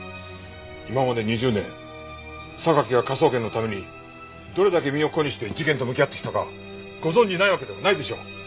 今まで２０年榊が科捜研のためにどれだけ身を粉にして事件と向き合ってきたかご存じないわけではないでしょう？